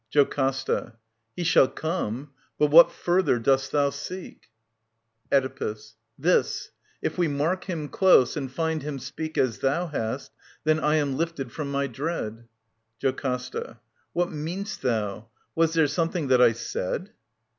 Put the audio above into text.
JOCASTA. He shall come. But what further dost thou seek ? Oedipus. This. If we mark him close and find him speak As thou hast, then I am lifted from my dread. JoCASTA. What mean'st thou ? Was there something that I said